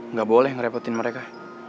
nggak boleh ngerepotin mereka